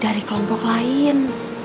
dari kelompok lain